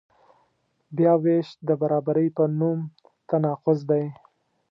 بیاوېش د برابرۍ په نوم تناقض دی.